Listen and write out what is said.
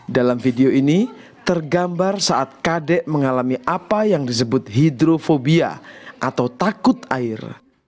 dalam video ini tergambar saat kadek mengalami apa yang disebut hidrofobia atau takut air